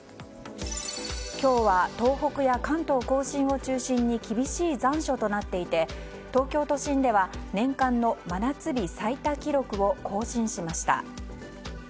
今日は東北や関東・甲信を中心に厳しい残暑となっていて東京都心では年間の真夏日最多記録を更新しました。